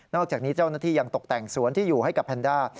อกจากนี้เจ้าหน้าที่ยังตกแต่งสวนที่อยู่ให้กับแพนด้า